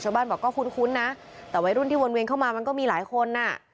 ชาวบ้านบอกว่าก็คุ้นนะแต่วัยรุ่นที่เวินเข้ามามันก็มีหลายคนน่ะ